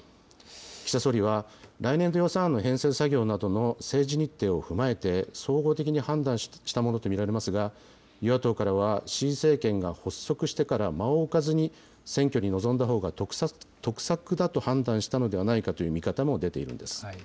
岸田総理は来年度予算案の編成作業などの政治日程を踏まえて、総合的に判断したものと見られますが、与野党からは新政権が発足してから間を置かずに、選挙に臨んだほうが得策だと判断したのではないかという見方も出ているんです。